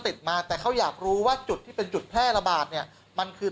ติดมาแต่เขาอยากรู้ว่าจุดที่เป็นจุดแพร่ระบาดเนี่ยมันคือ